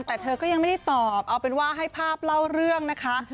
แต่เธอก็ยังไม่ได้ตอบเอาเป็นว่าให้ภาพเล่าเรื่องนะคะ